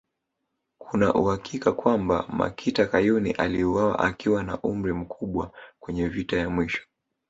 Kuna uhakika kwamba Makita Kayuni aliuawa akiwa na umri mkubwa kwenye vita ya mwisho